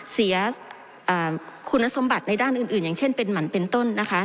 เสียคุณสมบัติในด้านอื่นอย่างเช่นเป็นหมั่นเป็นต้นนะคะ